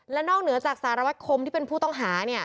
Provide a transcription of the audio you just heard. และนอกเหนือจากสารวัตรคมที่เป็นผู้ต้องหา